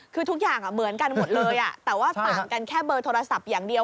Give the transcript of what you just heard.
คือทุกอย่างเหมือนกันหมดเลยแต่ว่าต่างกันแค่เบอร์โทรศัพท์อย่างเดียว